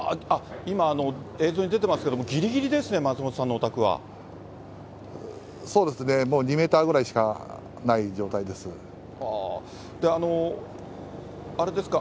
今、映像に出てますけれども、ぎりぎりですね、そうですね、もう２メーターぐらいしかない状態です。